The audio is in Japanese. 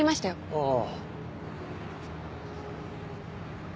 ああ。